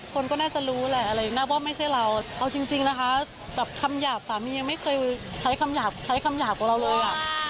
คนก็น่าจะรู้แหละอะไรอย่างนี้น่าว่าไม่ใช่เราเอาจริงนะคะแบบขำหยาบสามียังไม่เคยใช้ขำหยาบของเราเลย